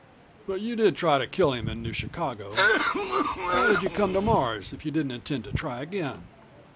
But you did try to kill him in New Chicago. Why did you come to Mars, if you didn't intend to try again?"